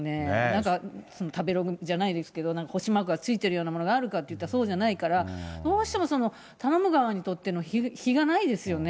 なんか、食べログじゃないですけど、なんか星マークがついてるようなものがあるかっていうとそうじゃないから、どうしても、頼む側にとっての非がないですよね。